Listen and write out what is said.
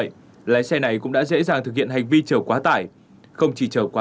cái này bạn lắp thêm thủy lực à